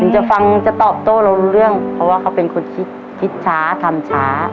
จะฟังจะตอบโต้เรารู้เรื่องเพราะว่าเขาเป็นคนคิดคิดช้าทำช้า